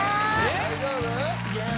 ・大丈夫？